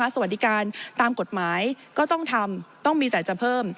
สวัสดีการตามกฎหมายก็ต้องทำต้องมีแต่จะเพิ่ม